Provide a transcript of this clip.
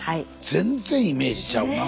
全然イメージちゃうな。